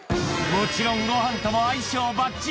もちろんご飯とも相性ばっちり！